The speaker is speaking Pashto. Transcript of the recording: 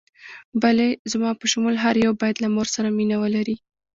بلې، زما په شمول هر یو باید له مور سره مینه ولري.